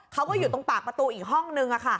เขาก็อยู่ตรงปากประตูอีกห้องนึง